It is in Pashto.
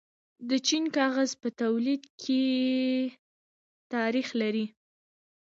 چین د کاغذ په تولید کې تاریخ لري.